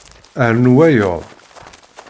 Rnu wayeḍ.